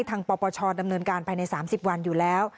ปปชดำเนินการภายใน๓๐วันอยู่แล้ว